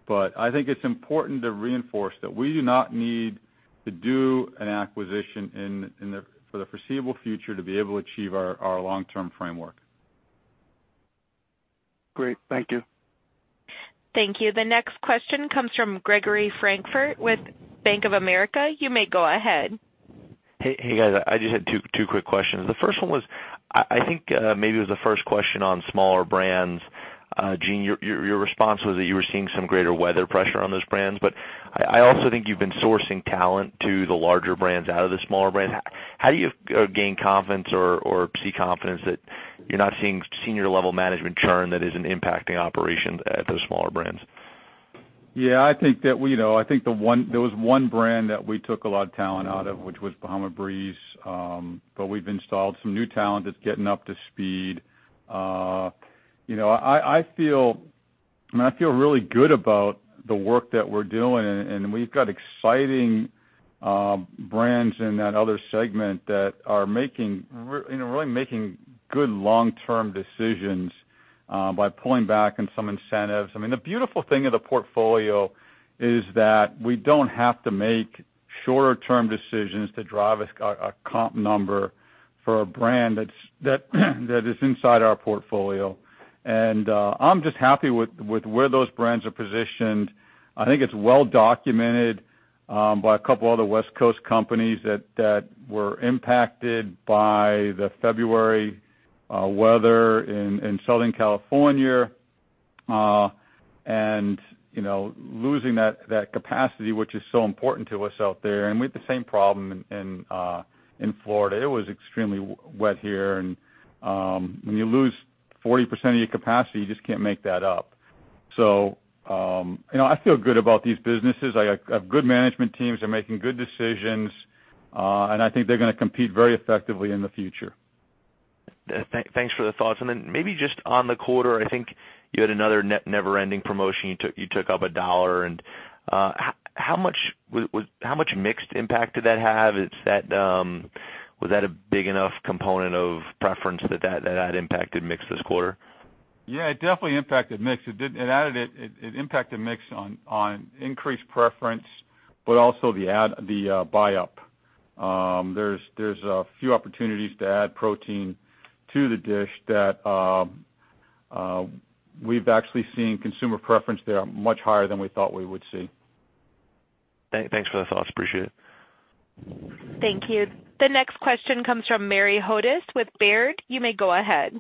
I think it's important to reinforce that we do not need to do an acquisition for the foreseeable future to be able to achieve our long-term framework. Great. Thank you. Thank you. The next question comes from Gregory Francfort with Bank of America. You may go ahead. Hey, guys. I just had two quick questions. The first one was, I think, maybe it was the first question on smaller brands. Gene, your response was that you were seeing some greater weather pressure on those brands, but I also think you've been sourcing talent to the larger brands out of the smaller brand. How do you gain confidence or see confidence that you're not seeing senior level management churn that isn't impacting operations at those smaller brands? Yeah, I think there was one brand that we took a lot of talent out of, which was Bahama Breeze. We've installed some new talent that's getting up to speed. I feel really good about the work that we're doing. We've got exciting brands in that other segment that are really making good long-term decisions by pulling back on some incentives. The beautiful thing of the portfolio is that we don't have to make shorter term decisions to drive a comp number for a brand that is inside our portfolio. I'm just happy with where those brands are positioned. I think it's well documented by a couple other West Coast companies that were impacted by the February weather in Southern California, and losing that capacity, which is so important to us out there, and we had the same problem in Florida. It was extremely wet here. When you lose 40% of your capacity, you just can't make that up. I feel good about these businesses. I have good management teams. They're making good decisions. I think they're going to compete very effectively in the future. Thanks for the thoughts. Maybe just on the quarter, I think you had another Never-Ending promotion you took up $1. How much mixed impact did that have? Was that a big enough component of preference that had impacted mix this quarter? It definitely impacted mix. It impacted mix on increased preference, but also the buy-up. There's a few opportunities to add protein to the dish that we've actually seen consumer preference there much higher than we thought we would see. Thanks for the thoughts. Appreciate it. Thank you. The next question comes from Mary Hodes with Baird. You may go ahead.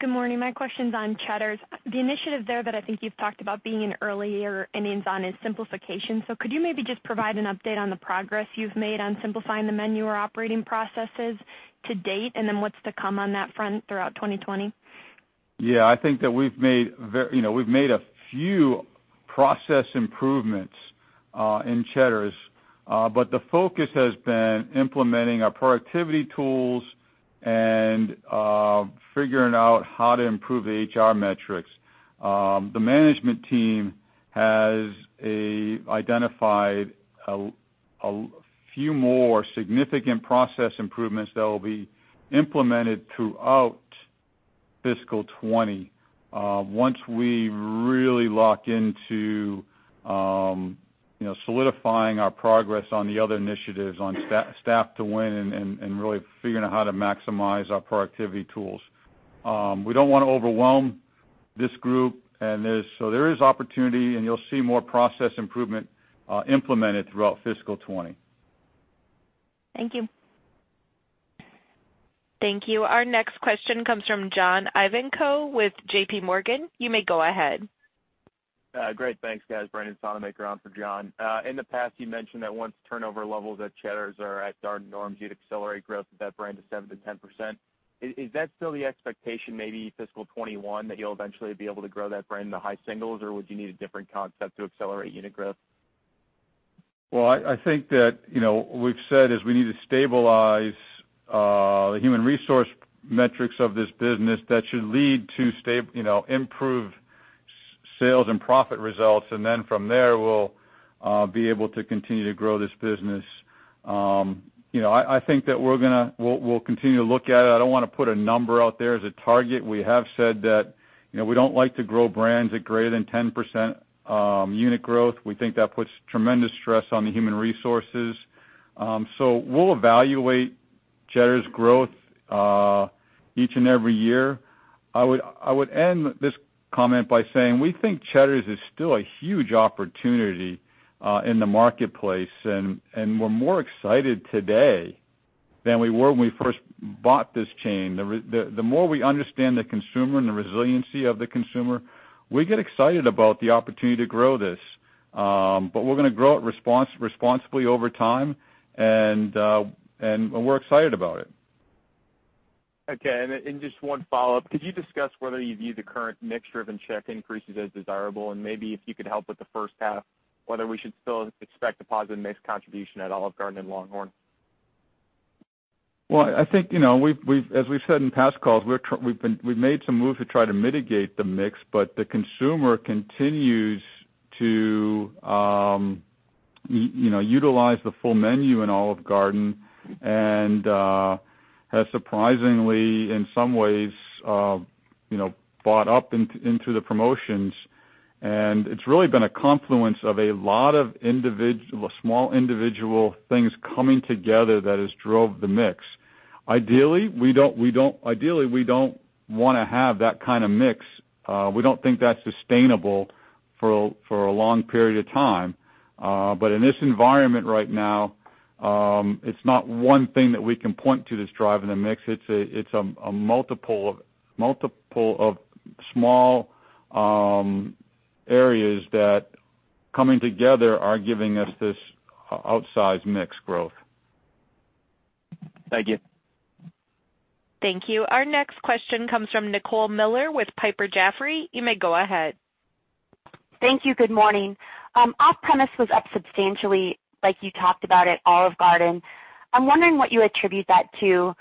Good morning. My question's on Cheddar's. The initiative there that I think you've talked about being in early innings on is simplification. Could you maybe just provide an update on the progress you've made on simplifying the menu or operating processes to date, and then what's to come on that front throughout 2020? Yeah, I think that we've made a few process improvements in Cheddar's. The focus has been implementing our productivity tools and figuring out how to improve the HR metrics. The management team has identified a few more significant process improvements that will be implemented throughout fiscal 2020. Once we really lock into solidifying our progress on the other initiatives, on Staff to Win, and really figuring out how to maximize our productivity tools. We don't want to overwhelm this group, and so there is opportunity, and you'll see more process improvement implemented throughout fiscal 2020. Thank you. Thank you. Our next question comes from John Ivankoe with JPMorgan. You may go ahead. Great. Thanks, guys. Brandon on for John. In the past, you mentioned that once turnover levels at Cheddar's are at Darden norms, you'd accelerate growth of that brand to 7%-10%. Is that still the expectation, maybe fiscal 2021, that you'll eventually be able to grow that brand to high singles, or would you need a different concept to accelerate unit growth? Well, I think that we've said is we need to stabilize the human resource metrics of this business that should lead to improved sales and profit results. From there, we'll be able to continue to grow this business. I think that we'll continue to look at it. I don't want to put a number out there as a target. We have said that we don't like to grow brands at greater than 10% unit growth. We think that puts tremendous stress on the human resources. We'll evaluate Cheddar's growth each and every year. I would end this comment by saying, we think Cheddar's is still a huge opportunity in the marketplace, and we're more excited today than we were when we first bought this chain. The more we understand the consumer and the resiliency of the consumer, we get excited about the opportunity to grow this. We're going to grow it responsibly over time, and we're excited about it. Okay. Just one follow-up, could you discuss whether you view the current mix driven check increases as desirable? Maybe if you could help with the first half, whether we should still expect a positive mix contribution at Olive Garden and LongHorn. Well, I think, as we've said in past calls, we've made some moves to try to mitigate the mix, the consumer continues to utilize the full menu in Olive Garden and has surprisingly, in some ways, bought up into the promotions. It's really been a confluence of a lot of small individual things coming together that has drove the mix. Ideally, we don't want to have that kind of mix. We don't think that's sustainable for a long period of time. In this environment right now, it's not one thing that we can point to that's driving the mix. It's a multiple of small areas that coming together are giving us this outsized mix growth. Thank you. Thank you. Our next question comes from Nicole Miller with Piper Jaffray. You may go ahead. Thank you. Good morning. Off-premise was up substantially, like you talked about at Olive Garden. I'm wondering what you attribute that to.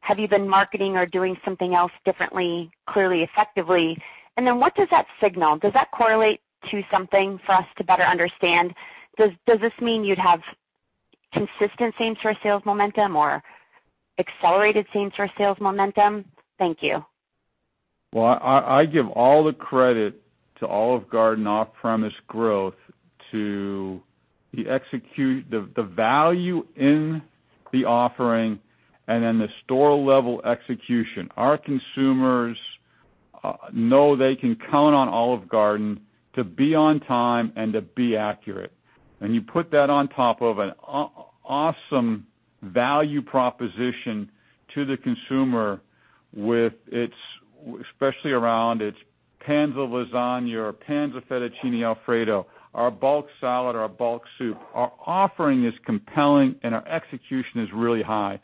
Have you been marketing or doing something else differently, clearly, effectively? What does that signal? Does that correlate to something for us to better understand? Does this mean you'd have consistent same-store sales momentum or accelerated same-store sales momentum? Thank you. Well, I give all the credit to Olive Garden off-premise growth to the value in the offering and the store level execution. Our consumers know they can count on Olive Garden to be on time and to be accurate. When you put that on top of an awesome value proposition to the consumer, especially around its pans of lasagna or pans of fettuccine Alfredo, our bulk salad or our bulk soup. Our offering is compelling, and our execution is really high.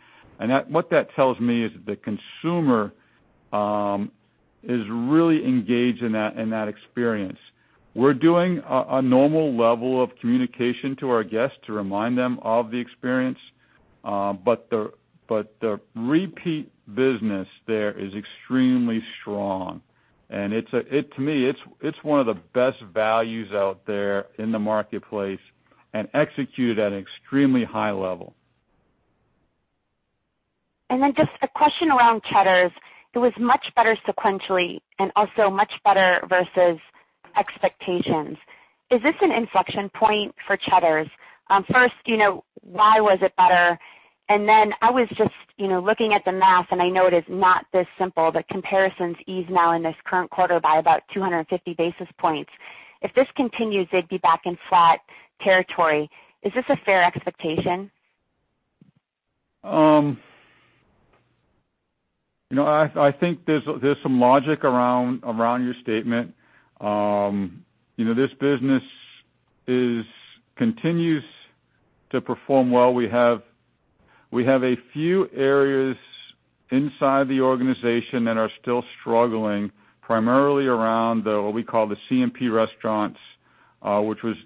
What that tells me is that the consumer is really engaged in that experience. We're doing a normal level of communication to our guests to remind them of the experience. The repeat business there is extremely strong, and to me, it's one of the best values out there in the marketplace and executed at an extremely high level. Just a question around Cheddar's. It was much better sequentially and also much better versus expectations. Is this an inflection point for Cheddar's? First, why was it better? I was just looking at the math, and I know it is not this simple, the comparisons ease now in this current quarter by about 250 basis points. If this continues, they'd be back in flat territory. Is this a fair expectation? I think there's some logic around your statement. This business continues to perform well. We have a few areas inside the organization that are still struggling, primarily around what we call the CMP restaurants, which was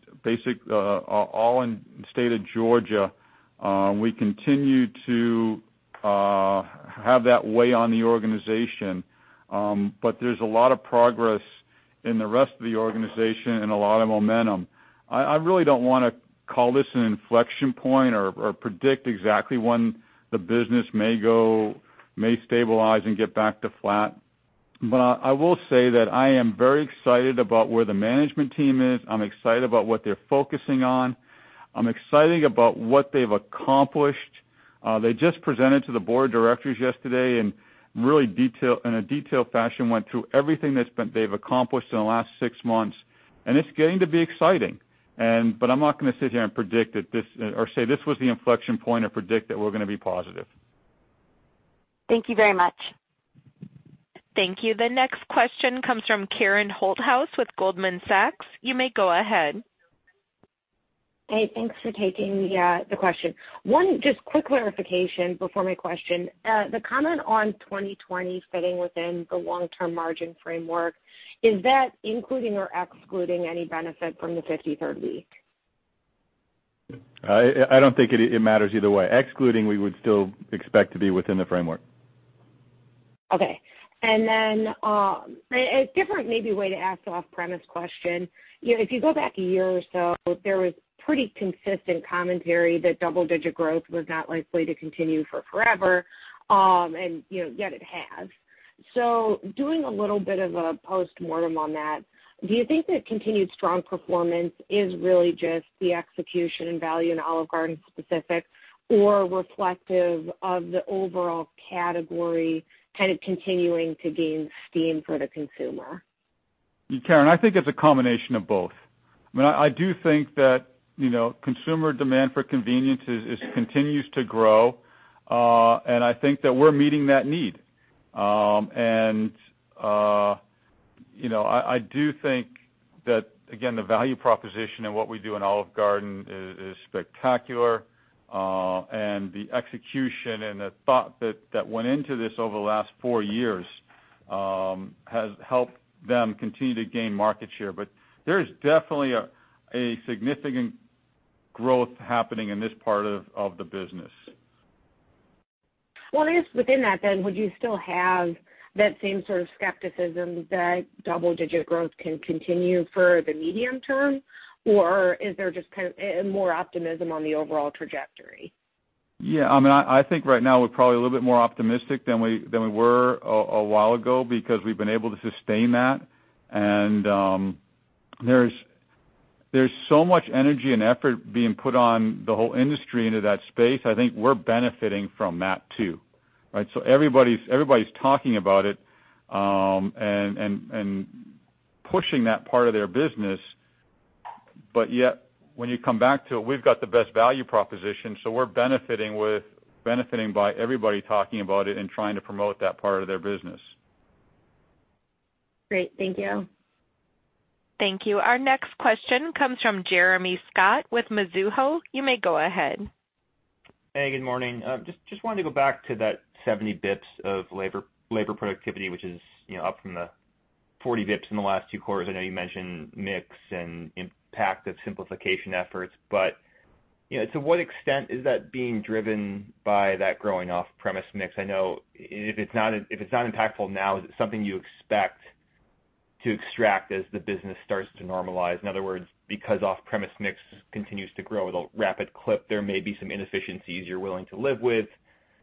all in the state of Georgia. We continue to have that weigh on the organization. There's a lot of progress in the rest of the organization and a lot of momentum. I really don't want to call this an inflection point or predict exactly when the business may stabilize and get back to flat. I will say that I am very excited about where the management team is. I'm excited about what they're focusing on. I'm excited about what they've accomplished. They just presented to the board of directors yesterday and in a detailed fashion, went through everything they've accomplished in the last six months, and it's getting to be exciting. I'm not going to sit here and predict or say this was the inflection point or predict that we're going to be positive. Thank you very much. Thank you. The next question comes from Karen Holthouse with Goldman Sachs. You may go ahead. Hey, thanks for taking the question. One just quick clarification before my question. The comment on 2020 fitting within the long-term margin framework, is that including or excluding any benefit from the 53rd week? I don't think it matters either way. We would still expect to be within the framework. Okay. A different maybe way to ask the off-premise question. If you go back a year or so, there was pretty consistent commentary that double-digit growth was not likely to continue for forever, and yet it has. Doing a little bit of a postmortem on that, do you think that continued strong performance is really just the execution and value in Olive Garden specific, or reflective of the overall category continuing to gain steam for the consumer? Karen, I think it's a combination of both. I do think that consumer demand for convenience continues to grow, and I think that we're meeting that need. I do think that, again, the value proposition and what we do in Olive Garden is spectacular. The execution and the thought that went into this over the last four years, has helped them continue to gain market share. There's definitely a significant growth happening in this part of the business. Well, I guess within that then, would you still have that same sort of skepticism that double-digit growth can continue for the medium term? Is there just more optimism on the overall trajectory? Yeah, I think right now we're probably a little bit more optimistic than we were a while ago because we've been able to sustain that. There's so much energy and effort being put on the whole industry into that space. I think we're benefiting from that, too. Right? Everybody's talking about it, and pushing that part of their business. Yet, when you come back to it, we've got the best value proposition, so we're benefiting by everybody talking about it and trying to promote that part of their business. Great. Thank you. Thank you. Our next question comes from Jeremy Scott with Mizuho. You may go ahead. Hey, good morning. Just wanted to go back to that 70 basis points of labor productivity, which is up from the 40 basis points in the last two quarters. To what extent is that being driven by that growing off-premise mix? I know if it's not impactful now, is it something you expect to extract as the business starts to normalize? In other words, because off-premise mix continues to grow at a rapid clip, there may be some inefficiencies you're willing to live with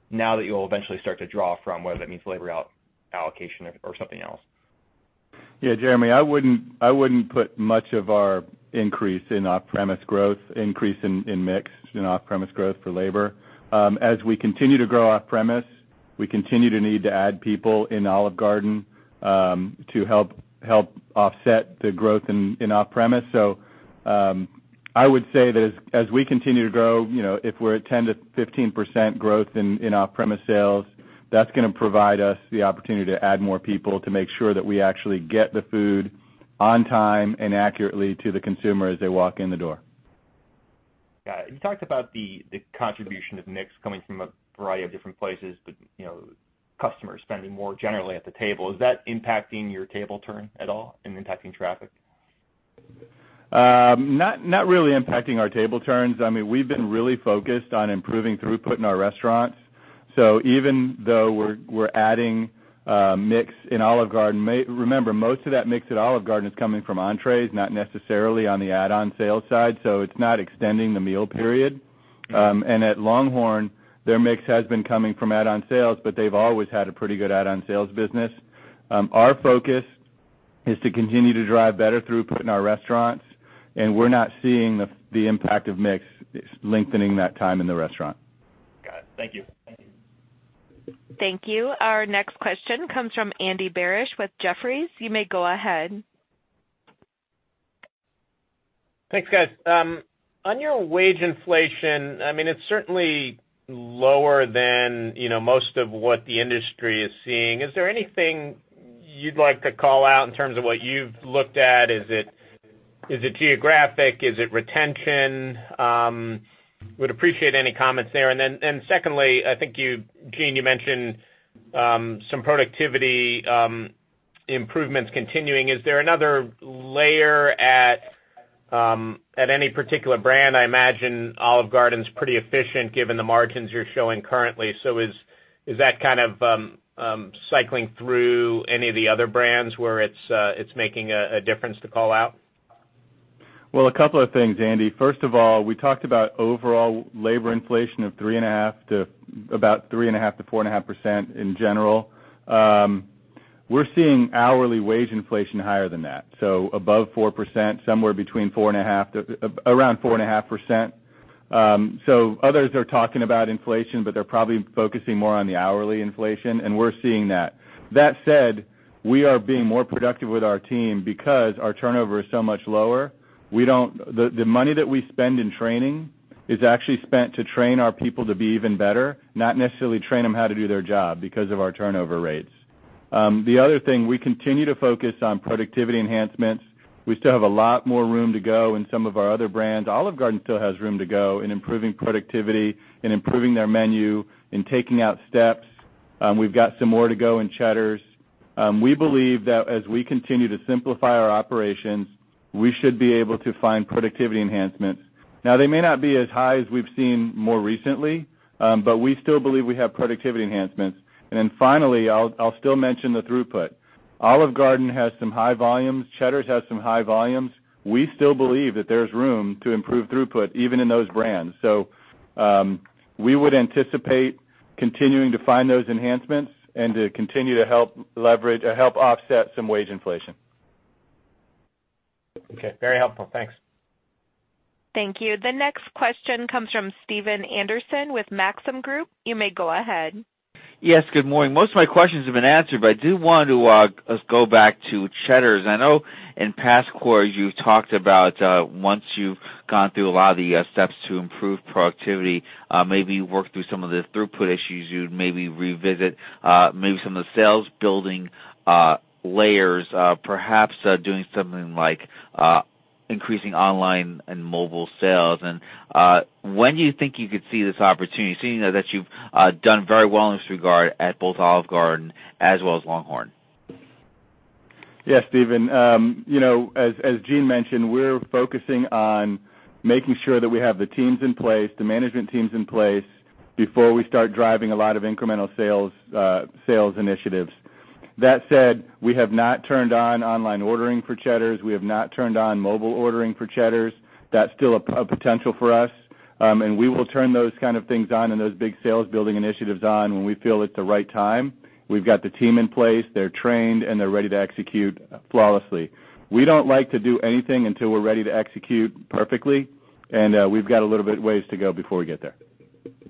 now that you'll eventually start to draw from, whether that means labor allocation or something else. Yeah, Jeremy, I wouldn't put much of our increase in off-premise growth, increase in mix in off-premise growth for labor. As we continue to grow off-premise, we continue to need to add people in Olive Garden, to help offset the growth in off-premise. I would say that as we continue to grow, if we're at 10%-15% growth in off-premise sales, that's going to provide us the opportunity to add more people to make sure that we actually get the food on time and accurately to the consumer as they walk in the door. Got it. You talked about the contribution of mix coming from a variety of different places, but customers spending more generally at the table. Is that impacting your table turn at all and impacting traffic? Not really impacting our table turns. We've been really focused on improving throughput in our restaurants. Even though we're adding mix in Olive Garden, remember, most of that mix at Olive Garden is coming from entrees, not necessarily on the add-on sales side. It's not extending the meal period. At LongHorn, their mix has been coming from add-on sales, but they've always had a pretty good add-on sales business. Our focus is to continue to drive better throughput in our restaurants, and we're not seeing the impact of mix lengthening that time in the restaurant. Got it. Thank you. Thank you. Our next question comes from Andy Barish with Jefferies. You may go ahead. Thanks, guys. On your wage inflation, it's certainly lower than most of what the industry is seeing. Is there anything you'd like to call out in terms of what you've looked at? Is it geographic? Is it retention? Would appreciate any comments there. Then secondly, I think, Gene, you mentioned some productivity improvements continuing. Is there another layer at any particular brand? I imagine Olive Garden's pretty efficient given the margins you're showing currently. Is that kind of cycling through any of the other brands where it's making a difference to call out? Well, a couple of things, Andy. First of all, we talked about overall labor inflation of three and a half%-4.5% in general. We're seeing hourly wage inflation higher than that. Above 4%, somewhere between four and a half, around 4.5%. Others are talking about inflation, but they're probably focusing more on the hourly inflation, and we're seeing that. That said, we are being more productive with our team because our turnover is so much lower. The money that we spend in training is actually spent to train our people to be even better, not necessarily train them how to do their job because of our turnover rates. The other thing, we continue to focus on productivity enhancements. We still have a lot more room to go in some of our other brands. Olive Garden still has room to go in improving productivity, in improving their menu, in taking out steps. We've got some more to go in Cheddar's. We believe that as we continue to simplify our operations, we should be able to find productivity enhancements. Now, they may not be as high as we've seen more recently, but we still believe we have productivity enhancements. Then finally, I'll still mention the throughput. Olive Garden has some high volumes. Cheddar's has some high volumes. We still believe that there's room to improve throughput, even in those brands. We would anticipate continuing to find those enhancements and to continue to help offset some wage inflation. Okay. Very helpful. Thanks. Thank you. The next question comes from Stephen Anderson with Maxim Group. You may go ahead. Yes, good morning. Most of my questions have been answered, but I do want to go back to Cheddar's. I know in past quarters you've talked about, once you've gone through a lot of the steps to improve productivity, maybe work through some of the throughput issues, you'd maybe revisit maybe some of the sales-building layers, perhaps doing something like increasing online and mobile sales. When do you think you could see this opportunity, seeing that you've done very well in this regard at both Olive Garden as well as LongHorn? Yes, Stephen. As Gene mentioned, we're focusing on making sure that we have the teams in place, the management teams in place before we start driving a lot of incremental sales initiatives. That said, we have not turned on online ordering for Cheddar's. We have not turned on mobile ordering for Cheddar's. That's still a potential for us. We will turn those kind of things on and those big sales-building initiatives on when we feel it's the right time, we've got the team in place, they're trained, and they're ready to execute flawlessly. We don't like to do anything until we're ready to execute perfectly. We've got a little bit of ways to go before we get there.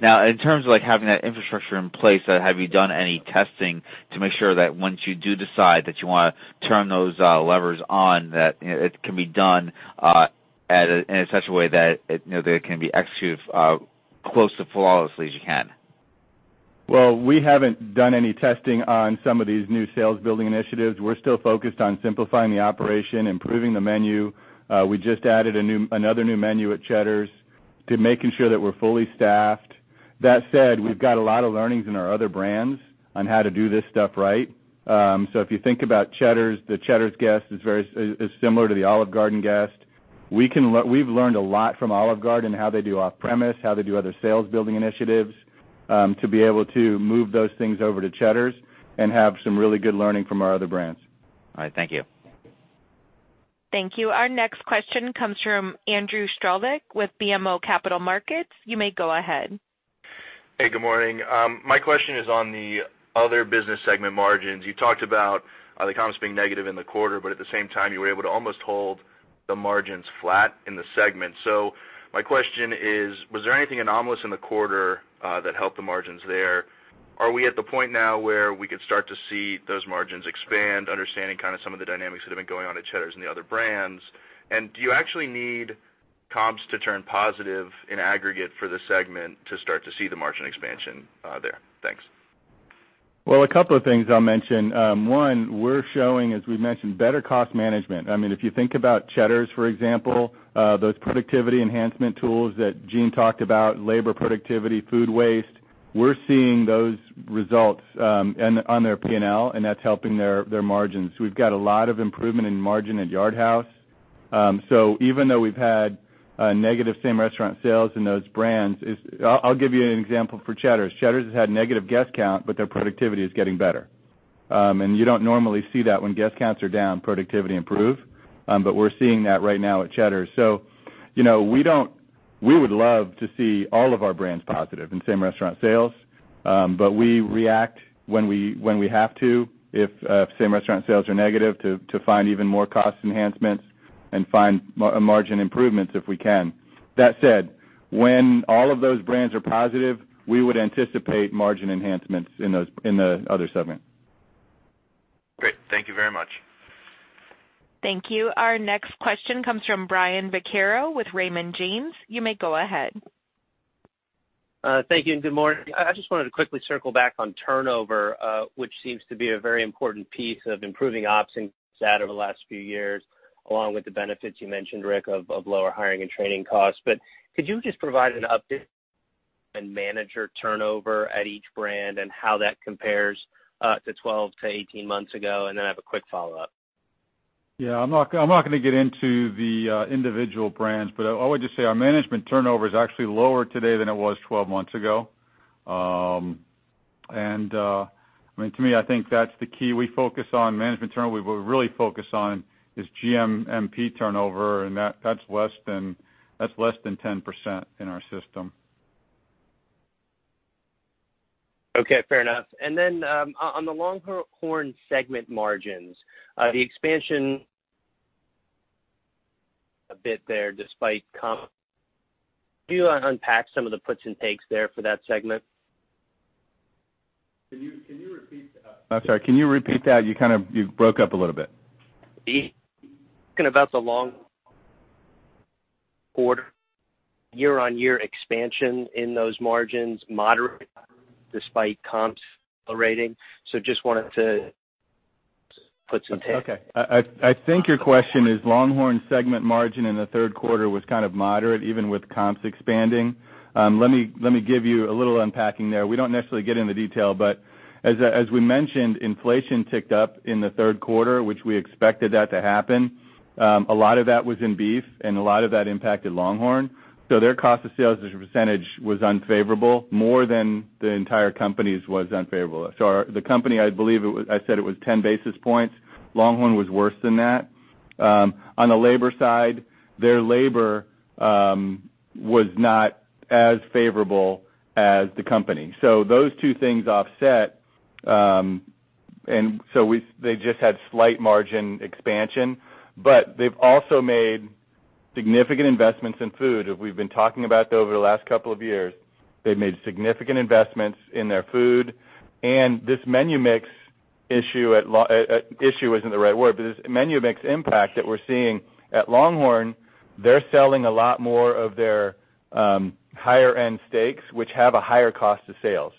In terms of having that infrastructure in place, have you done any testing to make sure that once you do decide that you want to turn those levers on, that it can be done in such a way that it can be executed as close to flawlessly as you can? Well, we haven't done any testing on some of these new sales-building initiatives. We're still focused on simplifying the operation, improving the menu. We just added another new menu at Cheddar's to making sure that we're fully staffed. That said, we've got a lot of learnings in our other brands on how to do this stuff right. If you think about Cheddar's, the Cheddar's guest is similar to the Olive Garden guest. We've learned a lot from Olive Garden, how they do off-premise, how they do other sales-building initiatives, to be able to move those things over to Cheddar's and have some really good learning from our other brands. All right. Thank you. Thank you. Our next question comes from Andrew Strelzik with BMO Capital Markets. You may go ahead. Hey, good morning. My question is on the other business segment margins. You talked about the comps being negative in the quarter, at the same time, you were able to almost hold the margins flat in the segment. My question is: Was there anything anomalous in the quarter that helped the margins there? Are we at the point now where we could start to see those margins expand, understanding some of the dynamics that have been going on at Cheddar's and the other brands? Do you actually need comps to turn positive in aggregate for the segment to start to see the margin expansion there? Thanks. Well, a couple of things I'll mention. One, we're showing, as we mentioned, better cost management. If you think about Cheddar's, for example, those productivity enhancement tools that Gene talked about, labor productivity, food waste, we're seeing those results on their P&L, and that's helping their margins. We've got a lot of improvement in margin at Yard House. Even though we've had negative same-restaurant sales in those brands, I'll give you an example for Cheddar's. Cheddar's has had negative guest count, but their productivity is getting better. You don't normally see that when guest counts are down, productivity improve, but we're seeing that right now at Cheddar's. We would love to see all of our brands positive in same-restaurant sales. We react when we have to, if same-restaurant sales are negative, to find even more cost enhancements and find margin improvements if we can. That said, when all of those brands are positive, we would anticipate margin enhancements in the other segment. Great. Thank you very much. Thank you. Our next question comes from Brian Vaccaro with Raymond James. You may go ahead. Thank you and good morning. I just wanted to quickly circle back on turnover, which seems to be a very important piece of improving ops over the last few years, along with the benefits you mentioned, Rick, of lower hiring and training costs. Could you just provide an update on manager turnover at each brand and how that compares to 12-18 months ago? I have a quick follow-up. Yeah, I'm not going to get into the individual brands, I would just say our management turnover is actually lower today than it was 12 months ago. To me, I think that's the key. We focus on management turnover. What we really focus on is GMP turnover, and that's less than 10% in our system. Okay, fair enough. On the LongHorn segment margins, the expansion a bit there despite comp. Can you unpack some of the puts and takes there for that segment? I'm sorry. Can you repeat that? You broke up a little bit. Talking about the LongHorn quarter, year-on-year expansion in those margins moderate despite comps accelerating. Okay. I think your question is LongHorn segment margin in the third quarter was kind of moderate even with comps expanding. Let me give you a little unpacking there. We don't necessarily get into detail, but as we mentioned, inflation ticked up in the third quarter, which we expected that to happen. A lot of that was in beef and a lot of that impacted LongHorn. Their cost of sales as a percentage was unfavorable, more than the entire company's was unfavorable. The company, I believe I said it was 10 basis points. LongHorn was worse than that. On the labor side, their labor was not as favorable as the company. Those two things offset, and so they just had slight margin expansion. They've also made significant investments in food. As we've been talking about over the last couple of years, they've made significant investments in their food, and this menu mix issue isn't the right word, but this menu mix impact that we're seeing at LongHorn, they're selling a lot more of their higher-end steaks, which have a higher cost of sales.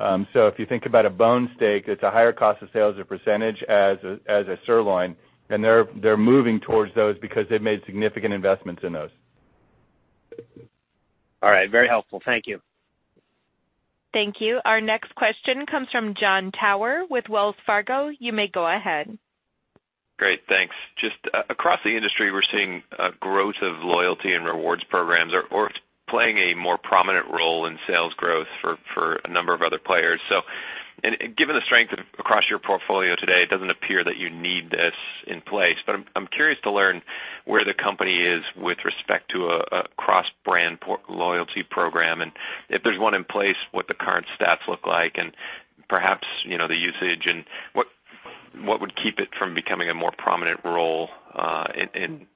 If you think about a bone steak, it's a higher cost of sales or percentage as a sirloin, and they're moving towards those because they've made significant investments in those. All right. Very helpful. Thank you. Thank you. Our next question comes from Jon Tower with Wells Fargo. You may go ahead. Great. Thanks. Given the strength across your portfolio today, it doesn't appear that you need this in place, but I'm curious to learn where the company is with respect to a cross-brand loyalty program. If there's one in place, what the current stats look like, and perhaps, the usage and what would keep it from becoming a more prominent role in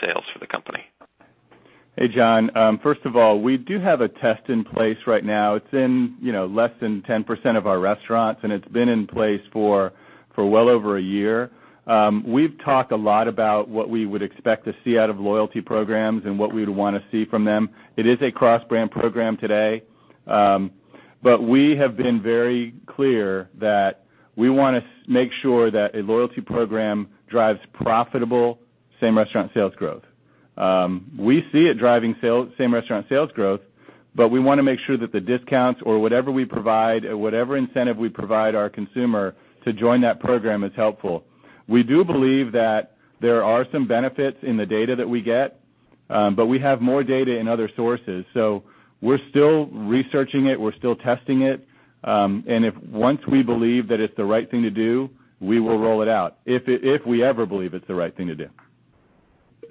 sales for the company? Hey, Jon. First of all, we do have a test in place right now. It's in less than 10% of our restaurants, and it's been in place for well over a year. We've talked a lot about what we would expect to see out of loyalty programs and what we would want to see from them. It is a cross-brand program today. We have been very clear that we want to make sure that a loyalty program drives profitable same-restaurant sales growth. We see it driving same-restaurant sales growth, but we want to make sure that the discounts or whatever we provide or whatever incentive we provide our consumer to join that program is helpful. We do believe that there are some benefits in the data that we get, but we have more data in other sources. We're still researching it. We're still testing it. If once we believe that it's the right thing to do, we will roll it out, if we ever believe it's the right thing to do.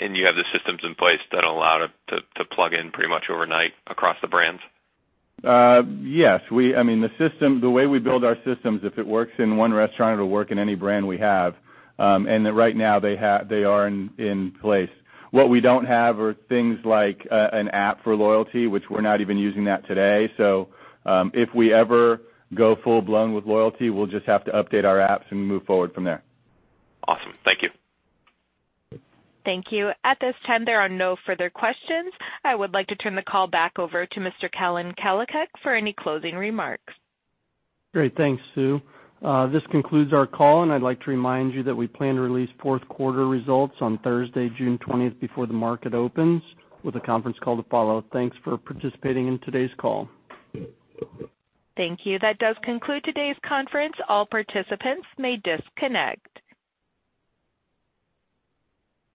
You have the systems in place that allow to plug in pretty much overnight across the brands? Yes. The way we build our systems, if it works in one restaurant, it'll work in any brand we have. Right now, they are in place. What we don't have are things like an app for loyalty, which we're not even using that today. If we ever go full-blown with loyalty, we'll just have to update our apps and move forward from there. Awesome. Thank you. Thank you. At this time, there are no further questions. I would like to turn the call back over to Mr. Kevin Kalicak for any closing remarks. Great. Thanks, Sue. This concludes our call, and I'd like to remind you that we plan to release fourth quarter results on Thursday, June 20th before the market opens with a conference call to follow. Thanks for participating in today's call. Thank you. That does conclude today's conference. All participants may disconnect.